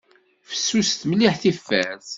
Fessuset mliḥ tifart.